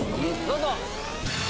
どうぞ！